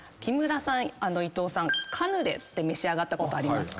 カヌレって召し上がったことありますか？